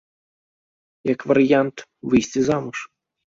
Як варыянт, выйсці замуж.